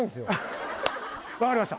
分かりました